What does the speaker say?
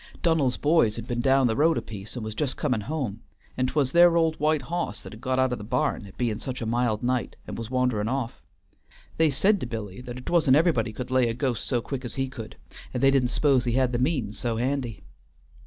Dunnell's boys had been down the road a piece and was just coming home, an' 't was their old white hoss that had got out of the barn, it bein' such a mild night, an' was wandering off. They said to Billy that't wa'n't everybody could lay a ghost so quick as he could, and they didn't 'spose he had the means so handy."